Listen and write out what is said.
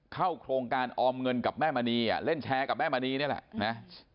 เข้าโครงการออมเงินกับแม่มณีเล่นแชร์กับแม่มณีนี่แหละนะ